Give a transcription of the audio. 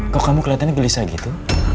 kok kamu kelihatannya gelisah gitu